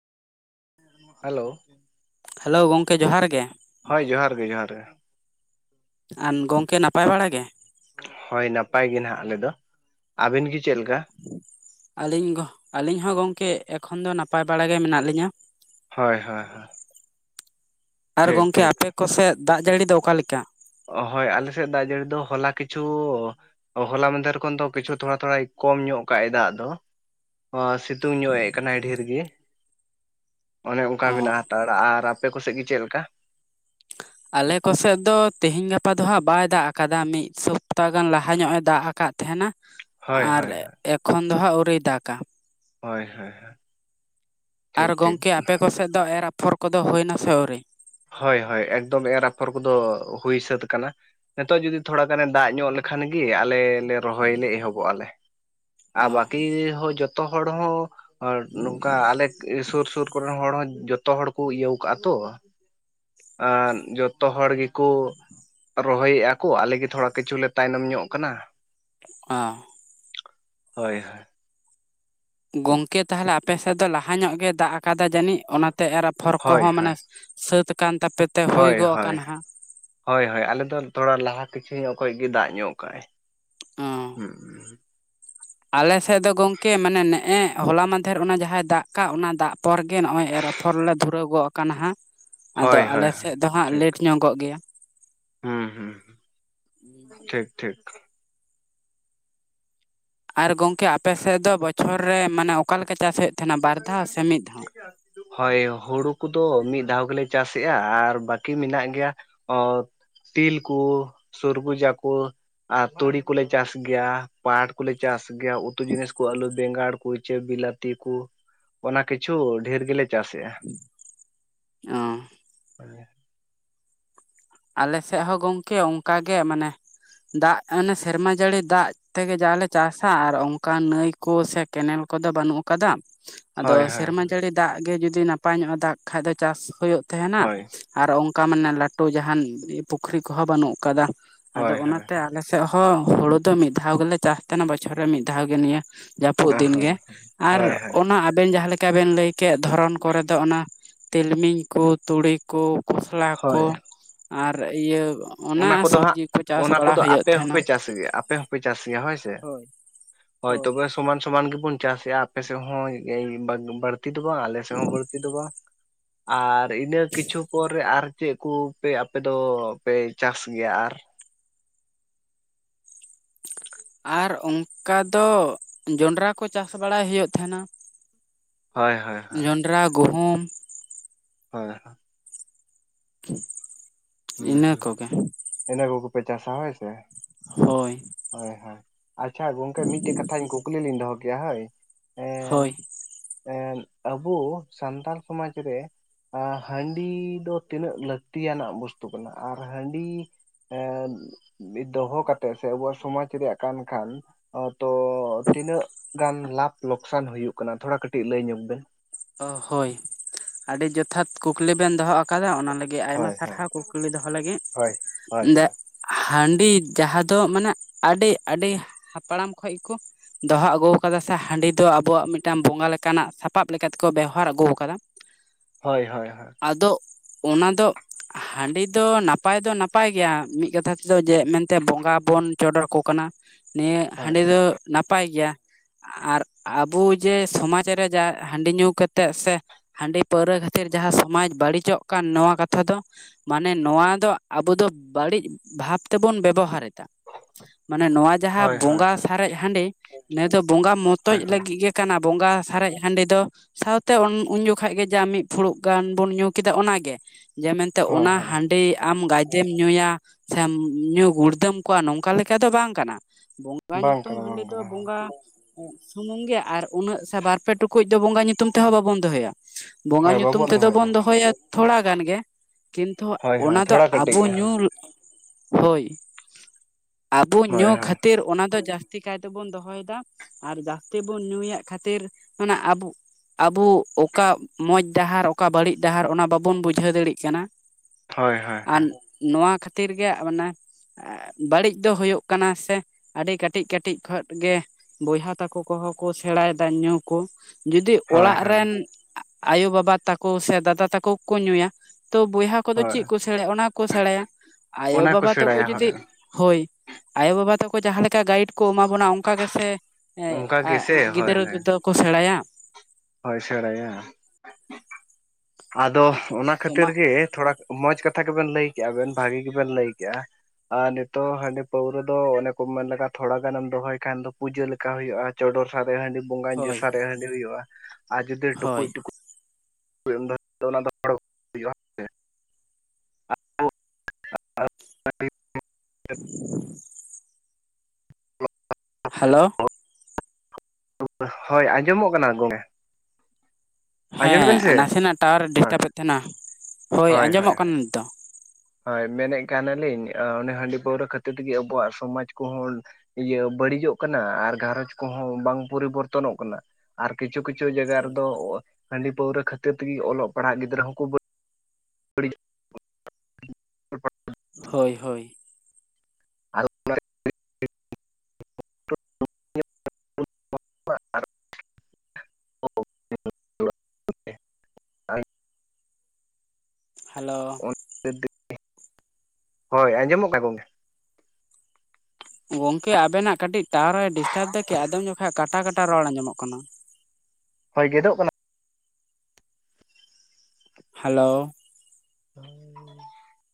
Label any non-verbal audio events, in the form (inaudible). Hello, hello ᱜᱚᱝᱠᱮ ᱡᱚᱦᱟᱨ ᱜᱮ! ᱦᱳᱭ ᱡᱚᱦᱟᱨ ᱜᱮ, ᱡᱚᱦᱟᱨ ᱜᱮ᱾ ᱟᱱ ᱜᱚᱝᱠᱮ ᱱᱟᱯᱟᱭ ᱵᱟᱲᱟ ᱜᱮ? ᱦᱳᱭ ᱱᱟᱯᱟᱭ ᱜᱮ ᱱᱷᱟᱸᱜ ᱟᱞᱮ ᱫᱚ, ᱟᱵᱤᱱ ᱜᱮ ᱪᱮᱫ ᱞᱮᱠᱟ? ᱟᱞᱤᱧ ᱜᱚ ᱟᱹᱞᱤᱧ ᱦᱚᱸ ᱜᱚᱝᱠᱮ ᱮᱠᱷᱚᱱ ᱫᱚ ᱱᱟᱯᱟᱭ ᱵᱟᱲᱟ ᱜᱮ ᱢᱮᱱᱟᱜ ᱞᱤᱧᱟ᱾ ᱦᱳᱭ ᱦᱳᱭ ᱦᱳᱭ᱾ ᱟᱨ ᱴᱷᱤᱠ ᱜᱚᱝᱠᱮ ᱴᱷᱤᱠ ᱟᱯᱮ ᱠᱚᱥᱮᱫ ᱫᱟᱜ ᱡᱟᱹᱲᱤ ᱫᱚ ᱚᱠᱟ ᱞᱮᱠᱟ? ᱚ ᱦᱳᱭ ᱟᱞᱮᱥᱮᱫ ᱫᱟᱜ ᱡᱟᱹᱲᱤ ᱫᱚ ᱦᱚᱞᱟ ᱠᱤᱪᱷᱩ ᱚ ᱦᱚᱞᱟ ᱢᱟᱫᱷᱮᱨ ᱠᱷᱚᱱ ᱫᱚ ᱠᱤᱪᱷᱩ ᱛᱷᱚᱲᱟ ᱛᱷᱚᱲᱟᱭ ᱠᱚᱢ ᱧᱚᱜ ᱠᱟᱜ ᱟᱭ ᱫᱟᱜ ᱫᱚ, ᱚ ᱥᱤᱛᱩᱝ ᱧᱚᱜ ᱮ ᱠᱟᱱᱟᱭ ᱰᱷᱮᱨ ᱜᱮ᱾ ᱚᱱᱮ ᱚᱸᱠᱟ ᱚ ᱢᱮᱱᱟᱜ ᱦᱟᱛᱟᱲᱟ ᱟᱨ ᱟᱯᱮ ᱠᱚᱥᱮᱫ ᱜᱮ ᱪᱮᱫ ᱞᱮᱠᱟ? ᱟᱞᱮ ᱠᱚᱥᱮᱫ ᱫᱚ ᱛᱮᱦᱤᱧ ᱜᱟᱯᱟ ᱫᱚ ᱦᱟᱸᱜ ᱵᱟᱭ ᱫᱟᱜ ᱟᱠᱟᱫᱟ ᱢᱤᱫ ᱥᱚᱯᱛᱟ ᱜᱟᱱ ᱞᱟᱦᱟ ᱧᱚᱜ ᱮ ᱫᱟᱜ ᱟᱠᱟᱫ ᱛᱟᱦᱮᱸᱱᱟ ᱦᱳᱭ ᱟᱨ ᱦᱳᱭ ᱮᱠᱷᱚᱱ ᱫᱚ ᱦᱟᱸᱜ ᱟᱹᱣᱨᱤ ᱫᱟᱜᱽᱼᱟ᱾ ᱦᱳᱭ ᱦᱳᱭ ᱦᱳᱭ᱾ ᱟᱨ ᱜᱚᱝᱠᱮ ᱟᱯᱮ ᱠᱚᱥᱮᱫ ᱫᱚ ᱮᱨ ᱟᱯᱷᱚᱨ ᱠᱚᱫᱚ ᱦᱩᱭ ᱮᱱᱟ ᱥᱮ ᱟᱹᱣᱨᱤ? ᱦᱳᱭ ᱦᱳᱭ ᱮᱠᱫᱚᱢ ᱮᱨ ᱟᱯᱷᱚᱨ ᱠᱚᱫᱚ ᱦᱩᱭ ᱥᱟᱹᱛ ᱟᱠᱟᱱᱟ, ᱱᱮᱛᱚᱜ ᱡᱩᱫᱤ ᱛᱷᱚᱲᱟ ᱜᱟᱱᱼᱮ ᱫᱟᱜ ᱧᱚᱜ ᱞᱮᱠᱷᱟᱱ ᱜᱮ ᱟᱞᱮ ᱞᱮ ᱨᱚᱦᱚᱭ ᱞᱮ ᱮᱦᱚᱵᱚᱜᱼᱟ ᱞᱮ ᱚ ᱟᱨ ᱵᱟᱠᱤ ᱦᱚᱸ ᱡᱚᱛᱚ ᱦᱚᱲ ᱦᱚᱸ ᱟᱨ ᱱᱚᱝᱠᱟ ᱟᱞᱮᱠ ᱥᱩᱨ ᱥᱩᱨ ᱠᱚᱨᱮᱱ ᱦᱚᱲ ᱦᱚᱸ ᱡᱚᱛᱚ ᱦᱚᱲ ᱠᱚ ᱤᱭᱟᱹᱣ ᱠᱟᱜᱼᱟ ᱛᱚ, ᱟᱨ ᱡᱚᱛᱚ ᱦᱚᱲ ᱜᱮᱠᱚ ᱨᱚᱦᱚᱭᱮᱼᱟ ᱠᱚ ᱟᱞᱮ ᱜᱮ ᱛᱷᱚᱲᱟ ᱠᱤᱪᱷᱩ ᱞᱮ ᱛᱟᱭᱱᱚᱢ ᱧᱚᱜ ᱟᱠᱟᱱᱟ, (unintelligible) ᱦᱚᱸ, (unintelligible) ᱦᱳᱭ ᱦᱳᱭ᱾ ᱜᱚᱝᱠᱮ ᱛᱟᱦᱮᱞᱮ ᱟᱯᱮ ᱥᱮᱫ ᱫᱚ ᱞᱟᱦᱟ ᱧᱚᱜ ᱜᱮ ᱫᱟᱜ ᱟᱠᱟᱫᱟ ᱡᱟᱹᱱᱤᱡ ᱚᱱᱟᱛᱮ ᱮᱨ ᱯᱷᱚᱨ ᱦᱳᱭ ᱠᱚᱦᱚᱸ ᱢᱟᱱᱮ ᱦᱳᱭ ᱥᱟᱹᱛ ᱟᱠᱟᱱ ᱛᱟᱯᱮ ᱛᱮ ᱦᱩᱭ ᱦᱳᱭ ᱦᱳᱭ᱾ ᱜᱚᱫ ᱟᱠᱟᱱᱟ ᱦᱟᱸᱜ ᱦᱳᱭ ᱦᱳᱭ ᱟᱞᱮ ᱫᱚ ᱛᱷᱚᱲᱟ ᱞᱟᱦᱟ ᱠᱤᱪᱷᱩᱭ ᱧᱚᱜ ᱠᱷᱚᱱ ᱜᱮ ᱫᱟᱜ ᱧᱚᱜ ᱟᱠᱟᱜᱼ ᱟᱭ, ᱚ ᱦᱩᱸ ᱦᱩᱸ ᱾ (inaudible) ᱟᱞᱮ ᱥᱮᱫ ᱫᱚ ᱜᱚᱝᱠᱮ ᱢᱟᱱᱮ ᱱᱮᱜᱼᱮ ᱦᱚᱞᱟ ᱢᱟᱫᱷᱮᱨ ᱚᱱᱟ ᱡᱟᱦᱟᱸᱭ ᱫᱟᱜ ᱠᱟᱜ ᱚᱱᱟ ᱫᱟᱜ ᱯᱚᱨ ᱜᱮ ᱱᱚᱜᱼᱚᱭ ᱮᱨ ᱟᱯ ᱯᱷᱳᱨ ᱞᱮ ᱫᱷᱩᱨᱟᱹᱣ ᱜᱚᱜ ᱟᱠᱟᱱᱟ ᱦᱟᱸᱜ ᱟᱫᱚ ᱦᱳᱭ ᱦᱳᱭ ᱦᱳᱭ ᱟᱞᱮᱥᱮᱫ ᱫᱚ ᱦᱟᱸᱜ ᱴᱷᱤᱠ ᱞᱮᱴ ᱧᱚᱜᱚᱜ ᱜᱮᱭᱟ᱾ ᱦᱩᱸ ᱦᱩᱸ ᱴᱷᱤᱠ ᱴᱷᱤᱠ᱾ ᱟᱨ ᱜᱚᱝᱠᱮ ᱟᱯᱮᱥᱮᱫ ᱫᱚ ᱵᱚᱪᱷᱚᱨ ᱨᱮ ᱢᱟᱱᱮ ᱚᱠᱟ ᱞᱮᱠᱟ ᱪᱟᱥ ᱮᱫ ᱟᱨ ᱛᱚᱵᱮ ᱪᱮᱫ ᱞᱮᱠᱟ? ᱦᱳᱭ ᱦᱩᱲᱩ ᱠᱚᱫᱚ ᱢᱤᱫ ᱫᱷᱟᱣ ᱜᱮᱞᱮ ᱪᱟᱥ ᱮᱜᱼᱟ ᱟᱨ ᱵᱟᱹᱠᱤ ᱢᱮᱱᱟᱜ ᱜᱮᱭᱟ, ᱚ ᱛᱤᱞ ᱠᱩ ᱥᱩᱨᱵᱩᱡᱟ ᱠᱚ ᱟᱨ ᱛᱩᱲᱤ ᱠᱚᱞᱮ ᱪᱟᱥ ᱜᱮᱭᱟ ᱯᱟᱴ ᱠᱚᱞᱮ ᱪᱟᱥ ᱜᱮᱭᱟ ᱩᱛᱩ ᱡᱤᱱᱤᱥ ᱠᱚ ᱟᱹᱞᱩ, ᱵᱮᱸᱜᱟᱲ, ᱠᱩᱭᱪᱟᱹ ᱵᱤᱞᱟᱹ- ᱛᱤ ᱠᱩ ᱚᱱᱟ ᱠᱤᱪᱷᱩ ᱰᱷᱮᱨ ᱜᱮᱞᱮ ᱪᱟᱥ ᱮᱜᱼᱟ᱾ ᱚ ᱟᱞᱮ ᱥᱮᱫ ᱦᱚᱸ ᱜᱚᱝᱠᱮ ᱚᱸᱠᱟ ᱜᱮ ᱢᱟᱱᱮ ᱫᱟᱜ ᱮᱱᱮ ᱥᱮᱨᱢᱟ ᱡᱟᱹᱲᱤ ᱫᱟᱜ ᱛᱮᱜᱮ ᱡᱟᱦᱟᱸ ᱞᱮ ᱪᱟᱥᱼᱟ ᱟᱨ ᱚᱸᱠᱟ ᱱᱟᱹᱭ ᱠᱚ ᱥᱮ ᱠᱮᱱᱮᱞ ᱠᱚᱫᱚ ᱵᱟᱹᱱᱩᱜ ᱠᱟᱫᱟ, ᱟᱫᱚ ᱦᱳᱭ ᱦᱳᱭ ᱥᱮᱨᱢᱟ ᱡᱟᱹᱲᱤ ᱫᱟᱜ ᱜᱮ ᱡᱩᱚᱫᱤ ᱱᱟᱯᱟᱭ ᱧᱚᱜᱼᱟ ᱫᱟᱜ ᱠᱷᱟᱡ ᱫᱚ ᱪᱟᱥ ᱦᱩᱭᱩᱜ ᱛᱟᱦᱮᱸᱱᱟ, ᱦᱳᱭ ᱟᱨ ᱚᱝᱠᱟ ᱢᱟᱱᱮ ᱞᱟᱹᱴᱩ ᱡᱟᱦᱟᱸᱱ ᱯᱩᱠᱷᱨᱤ ᱠᱚᱦᱚᱸ ᱵᱟᱹᱱᱩᱜ ᱠᱟᱫᱟ, ᱟᱫᱚ ᱦᱳᱭ ᱦᱳᱭ ᱚᱱᱟᱛᱮ ᱟᱞᱮ ᱥᱮᱫ ᱦᱚᱸ ᱦᱩᱲᱩ ᱫᱚ ᱢᱤᱫ ᱫᱷᱟᱣ ᱜᱮᱞᱮ ᱪᱟᱥ ᱛᱟᱦᱮᱸᱱᱟ ᱵᱚᱪᱷᱚᱨ ᱨᱮ ᱢᱤᱫ ᱫᱷᱟᱣ ᱜᱮ ᱱᱤᱭᱟᱹ ᱡᱟᱹᱯᱩᱫ ᱫᱤᱱ ᱦᱳᱭ ᱜᱮ ᱟᱨ ᱦᱳᱭ ᱦᱳᱭ ᱚᱱᱟ ᱟᱵᱮᱱ ᱡᱟᱦᱟᱸ ᱞᱮᱠᱟ ᱵᱮᱱ ᱞᱟᱹᱭ ᱠᱮᱫ ᱫᱷᱚᱨᱚᱱ ᱠᱚᱨᱮ ᱫᱚ ᱚᱱᱟ ᱛᱤᱞᱢᱤᱧ ᱠᱚ, ᱛᱩᱲᱤ ᱠᱚ, ᱠᱷᱚᱥᱞᱟ ᱦᱳᱭ ᱠᱚ, ᱟᱨ ᱤᱭᱟᱹ ᱚᱱᱟ ᱠᱚᱫᱚ ᱦᱟᱸᱜ ᱥᱚᱵᱽᱡᱤ ᱠᱚ ᱪᱟᱥ ᱚᱱᱟ ᱵᱟᱲᱟ ᱠᱚᱫᱚ ᱦᱩᱭᱩᱜ ᱟᱯᱮ ᱛᱟᱦᱮᱱᱟ ᱦᱚᱸᱯᱮ ᱪᱟᱥ ᱜᱮᱭᱟ ᱟᱯᱮ ᱦᱚᱸᱯᱮ ᱪᱟᱥ ᱜᱮᱭᱟ ᱦᱳᱭᱥᱮ᱾ ᱦᱳᱭ ᱦᱳᱭ ᱛᱚᱵᱮ ᱥᱚᱢᱟᱱ ᱥᱚᱢᱟᱱ ᱜᱮᱵᱚᱱ ᱪᱟᱥ ᱮᱼᱟ ᱟᱯᱮ ᱥᱮᱫ ᱦᱚᱸ ᱟᱹᱭ ᱵᱟᱹᱲ ᱵᱟᱹᱲ ᱛᱤ ᱫᱚ ᱵᱟ ᱟᱞᱮ ᱥᱮᱫ ᱦᱚᱸ ᱵᱟᱹᱲᱛᱤ ᱫᱚ ᱵᱟᱝ ᱟᱨ ᱤᱱᱟᱹ ᱠᱤᱪᱷᱩ ᱯᱚᱨ ᱨᱮ ᱟᱨ ᱪᱮᱜ ᱠᱩᱯᱮ ᱟᱯᱮᱫᱚ ᱯᱮ ᱪᱟᱥ ᱜᱮᱭᱟ? ᱟᱨ ᱟᱨ ᱚᱝᱠᱟ ᱫᱚ ᱡᱚᱱᱰᱨᱟ ᱠᱚ ᱪᱟᱥ ᱵᱟᱲᱟᱭ ᱦᱳᱭᱳᱜ ᱛᱟᱦᱮᱸᱱᱟ᱾ ᱦᱳᱭ᱾ ᱦᱳᱭ ᱦᱳᱭ ᱡᱚᱱᱰᱨᱟ ᱜᱩᱦᱩᱢ ᱦᱳᱭ ᱦᱚ᱾ ᱴᱷᱤᱠ (unintelligible) ᱦᱩᱸ ᱦᱩᱸ ᱤᱱᱟ ᱠᱚᱜᱮ ᱯᱮ ᱪᱟᱥᱟ ᱦᱳᱭ ᱥᱮ᱾ ᱦᱳᱭ ᱦᱳᱭ ᱦᱳᱭ ᱟᱪᱪᱷᱟ ᱜᱚᱝᱠᱮ ᱢᱤᱫᱴᱮᱡ ᱠᱟᱛᱷᱟ ᱠᱩᱠᱞᱤ ᱞᱤᱧ ᱫᱚᱦᱚ ᱠᱮᱭᱟ ᱦᱳᱭ, ᱦᱳᱭ᱾ ᱮᱸᱜ ᱟᱵᱩ ᱥᱟᱱᱛᱟᱞ ᱥᱚᱢᱟᱡ ᱨᱮ ᱦᱟᱺᱰᱤ ᱫᱚ ᱛᱤᱱᱟᱹᱜ ᱞᱟᱹᱠᱛᱤᱭᱟᱱᱟᱜ ᱵᱚᱥ ᱛᱩ ᱠᱟᱱᱟ ᱟᱨ ᱦᱟᱺᱰᱤ ᱮᱸᱫ ᱫᱚᱦᱚ ᱠᱟᱛᱮᱜ ᱥᱮ ᱟᱵᱚᱣᱟᱜ ᱥᱚᱢᱟᱡ ᱨᱮᱭᱟᱜ ᱠᱟᱱ ᱠᱷᱟᱱ ᱚ ᱛᱚ ᱛᱤᱱᱟᱹᱜ ᱜᱟᱱ ᱞᱟᱵᱷ ᱞᱚᱠᱥᱟᱱ ᱦᱩᱭᱩᱜ ᱠᱟᱱᱟ, ᱛᱷᱚᱲᱟ ᱠᱟᱹᱴᱤᱡ ᱞᱟᱹᱭ ᱧᱚᱜ ᱵᱮᱱ᱾ ᱚ ᱦᱳᱭ, ᱟᱹᱰᱤ ᱡᱚᱛᱷᱟᱛ ᱠᱩᱠᱞᱤ ᱵᱮᱱ ᱫᱚᱦᱚ ᱟᱠᱟᱫᱟ ᱚᱱᱟ ᱞᱟᱹᱜᱤᱫ ᱜᱮ ᱟᱭᱢᱟ ᱦᱳᱭ ᱦᱳᱭ ᱥᱟᱨᱦᱟᱣ ᱠᱩᱠᱞᱤ ᱫᱚᱦᱚ ᱞᱟᱹᱜᱤᱫ, ᱫᱚ ᱦᱟᱺᱰᱤ ᱡᱟᱦᱟᱸ ᱫᱚ ᱢᱟᱱᱮ ᱟᱹᱰᱤ ᱟᱹᱰᱤ ᱦᱟᱯᱲᱟᱢ ᱠᱷᱚᱡ ᱠᱚ ᱫᱚᱦᱚ ᱟᱹᱜᱩ ᱟᱠᱟᱫᱟ ᱥᱮ ᱦᱟᱺᱰᱤ ᱫᱚ ᱟᱵᱚᱣᱟᱜ ᱢᱤᱫᱴᱟᱝ ᱵᱚᱸᱜᱟ ᱞᱮᱠᱟᱱᱟᱜ ᱥᱟᱯᱟᱵ ᱞᱮᱠᱟᱛᱮ ᱠᱚ ᱵᱮᱣᱦᱟᱨ ᱟᱹᱜᱩ ᱠᱟᱫᱟ ᱦᱳᱭ ᱦᱳᱭ ᱦᱳᱭ᱾ ᱟᱫᱚ ᱚᱱᱟ ᱫᱚ ᱦᱟᱺᱰᱤ ᱫᱚ ᱱᱟᱯᱟᱭ ᱫᱚ ᱱᱟᱯᱟᱭ ᱜᱮᱭᱟ, ᱢᱤᱫ ᱠᱟᱛᱷᱟ ᱛᱮᱫᱚ ᱡᱮ ᱢᱮᱱᱛᱮ ᱵᱚᱸᱜᱟ ᱵᱚᱱ ᱪᱚᱰᱚᱨ ᱟᱠᱚ ᱠᱟᱱᱟ, ᱱᱤᱭᱟᱹ ᱦᱟᱺᱰᱤ ᱫᱚ ᱱᱟᱯᱟᱭ ᱜᱮᱭᱟ, ᱟᱨ ᱟᱵᱚ ᱡᱮ ᱥᱚᱢᱟᱡ ᱨᱮ ᱡᱟ ᱦᱟᱺᱰᱤ ᱧᱩ ᱠᱟᱛᱮᱜ ᱥᱮ ᱦᱟᱺᱰᱤ ᱯᱟᱹᱣᱨᱟᱹ ᱠᱷᱟᱹᱛᱤᱨ ᱡᱟᱦᱟᱸ ᱥᱚᱢᱟᱡ ᱵᱟᱹᱲᱤᱡᱚᱜ ᱠᱟᱱ ᱱᱚᱣᱟ ᱠᱟᱛᱷᱟ ᱫᱚ ᱢᱟᱱᱮ ᱱᱚᱣᱟ ᱫᱚ ᱟᱵᱚ ᱫᱚ ᱵᱟᱹᱲᱤᱡ ᱵᱷᱟᱵᱽ ᱛᱮᱵᱚᱱ ᱵᱮᱵᱚᱦᱟᱨ ᱮᱫᱟ᱾ ᱢᱟᱱᱮ ᱱᱚᱣᱟ ᱡᱟᱦᱟᱸ ᱦᱳᱭ ᱦᱳᱭ ᱵᱚᱸᱜᱟ ᱥᱟᱨᱮᱡ ᱦᱟᱺᱰᱤ ᱱᱤᱭᱟ ᱫᱚ ᱵᱚᱸᱜᱟ ᱢᱚᱛᱚᱡ ᱦᱳᱭ ᱞᱟᱹᱜᱤᱫ ᱜᱮ ᱠᱟᱱᱟ ᱵᱚᱸᱜᱟ ᱥᱟᱨᱮᱡ ᱦᱟᱺᱰᱤ ᱫᱚ ᱥᱟᱶᱛᱮ ᱩᱱ ᱩᱱ ᱡᱚᱠᱷᱚᱱ ᱜᱮ ᱡᱟ ᱢᱤᱫ ᱯᱷᱩᱲᱩᱜ ᱜᱟᱱ ᱵᱚᱱ ᱧᱩ ᱠᱮᱫᱟ ᱚᱱᱟᱜᱮ, ᱡᱮ ᱢᱮᱱᱛᱮ ᱦᱳᱭ ᱚᱱᱟ ᱦᱳᱭ ᱦᱟᱺᱰᱤ ᱟᱢ ᱜᱟᱡ ᱡᱮᱢ ᱧᱩᱭᱟ ᱥᱮᱢ ᱧᱩ ᱜᱩᱲᱫᱷᱟᱹᱢ ᱠᱚᱣᱟ ᱱᱚᱝᱠᱟ ᱞᱮᱠᱟ ᱫᱚ ᱵᱟᱝ ᱠᱟᱱᱟ, ᱵᱚᱸᱜᱟ ᱵᱟᱝ ᱧᱩᱛᱩᱢ ᱠᱟᱱᱟ ᱦᱟᱺᱰᱤ ᱵᱟᱝ ᱫᱚ ᱠᱟᱱᱟ ᱵᱚᱸᱜᱟ ᱥᱩᱢᱩᱝ ᱜᱮ ᱟᱨ ᱩᱱᱟᱹᱜ ᱥᱮ ᱵᱟᱨᱯᱮ ᱴᱩᱠᱩᱡ ᱫᱚ ᱵᱚᱸᱜᱟ ᱧᱩᱛᱩᱢ ᱛᱮᱦᱚᱸ ᱵᱟᱵᱚᱱ ᱫᱚᱦᱚᱭᱟ᱾ ᱵᱚᱸᱜᱟ ᱦᱳᱭ ᱧᱩᱛᱩᱢ ᱵᱟᱵᱚᱱ ᱛᱮᱫᱚ ᱵᱚᱱ ᱫᱚᱦᱚᱭᱟ ᱛᱷᱚᱲᱟ ᱜᱟᱱ ᱜᱮ, ᱠᱤᱱᱛᱷᱩ ᱦᱳᱭ ᱦᱳᱭ ᱚᱱᱟ ᱫᱚ ᱛᱷᱚᱲᱟ ᱠᱟᱹᱴᱤᱡ ᱟᱵᱚ ᱜᱮ ᱧᱩᱨ ᱦᱳᱭ ᱟᱵᱚ ᱦᱳᱭ ᱧᱩ ᱦᱳᱭ ᱠᱷᱟᱹᱛᱤᱨ ᱚᱱᱟ ᱫᱚ ᱡᱟᱹᱥ ᱡᱟᱹᱥᱛᱤ ᱠᱟᱭ ᱛᱮᱵᱚᱱ ᱫᱚᱦᱚᱭᱮᱫᱟ ᱟᱨ ᱡᱟᱹᱥᱛᱤ ᱵᱚᱱ ᱧᱩᱭᱮᱜ ᱠᱷᱟᱹᱛᱤᱨ ᱚᱱᱟ ᱟᱵᱚᱼᱼ ᱟᱵᱚ ᱚᱠᱟ ᱢᱚᱡᱽ ᱰᱟᱦᱟᱨ, ᱚᱠᱟ ᱵᱟᱹᱲᱤᱡ ᱰᱟᱦᱟᱨ, ᱚᱱᱟ ᱵᱟᱵᱚᱱ ᱵᱩᱡᱷᱟᱹᱣ ᱫᱟᱲᱭᱟᱜ ᱠᱟᱱᱟ᱾ ᱦᱳᱭ ᱦᱳᱭ ᱟᱨ ᱦᱳᱭ ᱱᱚᱣᱟ ᱠᱷᱟᱹᱛᱤᱨ ᱜᱮ ᱢᱟᱱᱮᱼᱼ ᱵᱟᱹᱲᱤᱡ ᱫᱚ ᱦᱩᱭᱩᱜ ᱠᱟᱱᱟ ᱥᱮ ᱟᱹᱰᱤ ᱠᱟᱹᱴᱤᱡ ᱠᱟᱹᱴᱤᱡ ᱠᱷᱚᱡ ᱜᱮᱼᱼ ᱵᱚᱭᱦᱟ ᱛᱟᱠᱚ ᱠᱚᱦᱚᱸ ᱠᱚ ᱥᱮᱲᱟᱭᱮᱫᱟ ᱧᱩ ᱠᱚ ᱡᱚᱫᱤ ᱦᱳᱭ ᱚᱲᱟᱜ ᱨᱮᱱᱼᱼ ᱟᱭᱳ ᱵᱟᱵᱟ ᱛᱟᱠᱚ ᱥᱮ ᱫᱟᱫᱟ ᱛᱟᱠᱚ ᱠᱚ ᱧᱩᱭᱟ ᱛᱚ ᱵᱚᱭᱦᱟᱼᱼ ᱟᱠᱚ ᱫᱚ ᱦᱳᱭ ᱪᱮᱫ ᱠᱚ ᱥᱮᱬᱟᱭᱟ ᱚᱱᱟ ᱠᱚ ᱥᱮᱬᱟᱭᱟ ᱚᱱᱟ ᱠᱚ ᱟᱭᱳᱼᱵᱟᱵᱟ ᱛᱟᱠᱚ ᱥᱮᱬᱟᱭᱟ ᱦᱳᱭ ᱡᱩᱫᱤ ᱦᱳᱭ ᱟᱭᱳ ᱵᱟᱵᱟ ᱛᱟᱠᱚ ᱡᱟᱦᱟᱸ ᱞᱮᱠᱟ ᱜᱟᱭᱤᱰᱼᱼ ᱠᱚ ᱮᱢᱟ ᱵᱚᱱᱟ ᱚᱱᱠᱟ ᱜᱮᱥᱮ, ᱚᱱᱠᱟ ᱜᱮᱥᱮ ᱦᱳᱭ ᱜᱤᱫᱽᱨᱟᱹ ᱦᱳᱭ ᱫᱚ ᱠᱚ ᱥᱮᱬᱟᱭᱟ᱾ ᱦᱳᱭ ᱥᱮᱬᱟᱭᱟ᱾ ᱟᱫᱚ ᱚᱱᱟ ᱠᱷᱟᱹᱛᱤᱨ ᱥᱚᱢᱟᱡ ᱜᱮ ᱛᱷᱚᱲᱟ ᱢᱚᱸᱡᱽ ᱠᱟᱛᱷᱟ ᱜᱮᱵᱮᱱ ᱞᱟᱹᱭ ᱠᱮᱜᱼᱟ ᱵᱮᱱ ᱵᱷᱟᱹᱜᱤ ᱜᱮᱵᱮᱱ ᱞᱟᱹᱭ ᱠᱮᱜᱼᱟ᱾ ᱟᱨ ᱱᱤᱛᱚᱜ ᱦᱟᱹᱰᱤ ᱯᱟᱹᱣᱨᱟᱹ ᱫᱚ ᱚᱱᱮ ᱠᱚ ᱢᱮᱱ ᱞᱮᱠᱟ ᱛᱷᱚᱲᱟ ᱜᱟᱱᱮᱢ ᱫᱚᱦᱚᱭ ᱠᱷᱟᱱ ᱫᱚ ᱯᱩᱡᱟᱹ ᱞᱮᱠᱟ ᱦᱩᱭᱩᱜᱼᱟ᱾ ᱪᱚᱰᱚᱨ ᱥᱟᱨᱮ ᱦᱟᱹᱰᱤ ᱵᱚᱸᱜᱟ ᱦᱳᱭ ᱥᱟᱨᱮᱡ ᱦᱟᱺᱰᱤ ᱦᱩᱭᱩᱜᱼᱟ, ᱟᱨ ᱡᱩᱫᱤ ᱴᱩᱠᱩᱡ ᱦᱳᱭ ᱴᱩᱠᱩᱡᱼᱼ ᱚᱱᱟ ᱫᱚ (unintelligible) ᱦᱩᱭᱩᱜᱼᱟ ᱦᱮᱸ (inaudible) ᱦᱮᱞᱳ ᱦᱳᱭ ᱟᱸᱡᱚᱢᱚᱜ ᱠᱟᱱᱟ ᱜᱚᱝᱚᱢᱮ ᱦᱮᱸ ᱱᱟᱥᱮᱱᱟᱜ ᱴᱟᱣᱟᱨ ᱦᱳᱭ ᱰᱤᱥᱴᱟᱵᱮᱫ ᱛᱟᱦᱮᱱᱟ ᱦᱳᱭ ᱟᱸᱡᱚᱢᱚᱜ ᱠᱟᱱᱟ ᱱᱤᱛ ᱫᱚ᱾ ᱦᱳᱭ ᱢᱮᱱᱮᱫ ᱠᱟᱱᱟ ᱞᱤᱧᱚᱱ ᱦᱟᱺᱰᱤ ᱯᱟᱹᱣᱨᱟᱹ ᱠᱷᱟᱹᱛᱤᱨ ᱛᱮᱜᱮ ᱟᱵᱚᱣᱟᱜ ᱥᱚᱢᱟᱡᱽ ᱠᱚᱦᱚᱸᱼᱼ ᱤᱭᱟᱹ ᱵᱟᱹᱲᱤᱡᱚᱜ ᱠᱟᱱᱟ, ᱟᱨ ᱜᱷᱟᱨᱚᱸᱡᱽ ᱠᱚᱦᱚᱸ ᱵᱟᱝ ᱯᱚᱨᱤᱵᱚᱨ ᱛᱚᱱᱚᱜ ᱠᱟᱱᱟ᱾ ᱟᱨ ᱠᱤᱪᱷᱩ ᱠᱤᱪᱷᱩ ᱡᱜᱟ ᱨᱮᱫᱚ ᱦᱟᱹᱰᱤ ᱯᱟᱹᱣᱨᱟᱹ ᱠᱷᱟᱹᱛᱤᱨ ᱛᱮᱜᱮ ᱚᱞᱚᱜ ᱯᱟᱲᱦᱟᱜ ᱜᱤᱫᱽᱨᱟᱹ ᱦᱚᱸᱠᱚᱼ (unintelligible) ᱦᱳᱭ ᱦᱳᱭ (unintelligible) (unintelligible) ᱦᱮᱞᱳ (unintelligible) ᱦᱳᱭ ᱟᱸᱡᱚᱢᱚᱜ ᱠᱟᱱᱟ ᱜᱚᱝᱠᱮ ᱜᱚᱝᱠᱮ ᱟᱵᱮᱱᱟᱜ ᱠᱟᱹᱴᱤᱡ ᱴᱟᱣᱟᱨ ᱮ ᱰᱤᱥᱴᱟᱵᱽ ᱮᱫᱟ ᱠᱤ ᱟᱫᱚᱢ ᱡᱚᱠᱷᱚᱱ ᱠᱟᱴᱟ ᱠᱟᱴᱟ ᱨᱚᱲ ᱟᱸᱡᱚᱢᱚᱜ ᱠᱟᱱᱟ᱾ ᱦᱳᱭ ᱜᱮᱫᱚᱜ ᱠᱟᱱᱟᱼᱼ ᱦᱮᱞᱳ (inaudible)